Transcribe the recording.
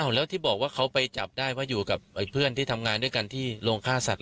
แล้วที่บอกว่าเขาไปจับได้เพราะอยู่กับเพื่อนที่ทำงานด้วยกันที่โรงฆ่าสัตว